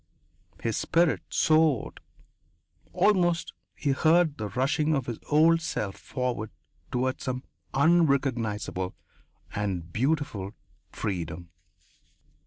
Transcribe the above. His spirit soared; almost he heard the rushing of his old self forward toward some unrecognizable and beautiful freedom.